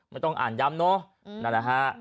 ไม่ต้องอ่านย้ำนะนะฮะ